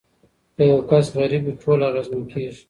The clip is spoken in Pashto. که یو کس غریب وي ټول اغیزمن کیږي.